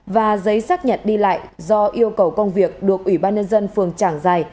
và giấy xác nhận đi lại do yêu cầu công việc được ủy ban nhân dân phường trảng giài